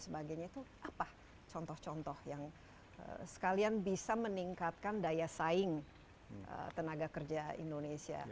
sebagainya itu apa contoh contoh yang sekalian bisa meningkatkan daya saing tenaga kerja indonesia